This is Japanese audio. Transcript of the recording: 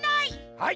はい！